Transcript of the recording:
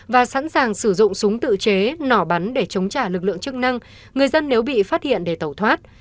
và sẵn sàng sử dụng súng tự chế nỏ bắn để chống trả lực lượng chức năng người dân nếu bị phát hiện để tẩu thoát